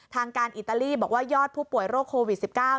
ทางการอิตาลีบอกว่ายอดผู้ป่วยโรคโควิด๑๙